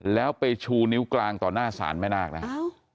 แล้วไปชูนิ้วกลางต่อหน้าสารแม่นากนะครับ